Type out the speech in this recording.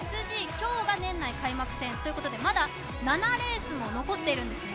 今日が年内開幕戦、まだ７レースも残っているんですね